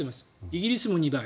イギリスも２倍。